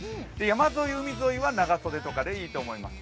山沿い、海沿いは長袖とかでいいと思います。